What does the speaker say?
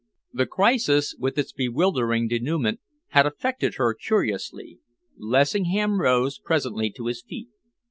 The crisis, with its bewildering denouement, had affected her curiously. Lessingham rose presently to his feet.